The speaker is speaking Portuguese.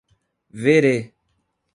Verê